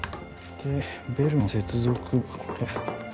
でベルの接続部これ。